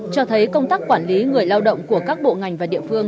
cho thấy công tác quản lý người lao động của các bộ ngành và địa phương